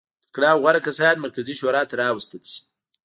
تکړه او غوره کسان مرکزي شورا ته راوستل شي.